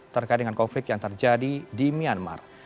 terkait dengan konflik yang terjadi di myanmar